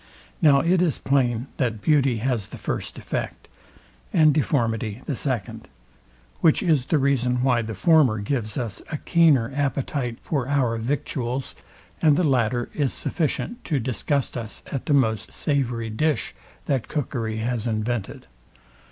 Now it is plain that beauty has the first effect, and deformity the second: Which is the reason why the former gives us a keener appetite for our victuals, and the latter is sufficient to disgust us at the most savoury dish that cookery has invented.